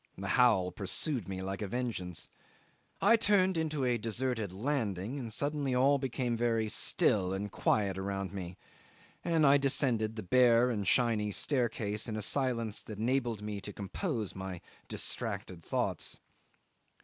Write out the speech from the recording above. The howl pursued me like a vengeance. I turned into a deserted landing, and suddenly all became very still and quiet around me, and I descended the bare and shiny staircase in a silence that enabled me to compose my distracted thoughts.